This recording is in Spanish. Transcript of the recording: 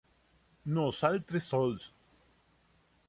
Nosaltres Sols!